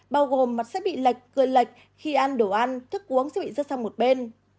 bao gồm mặt sẽ bị lệch cưa lệch khi ăn đồ ăn thức uống sẽ bị rơi sang một bên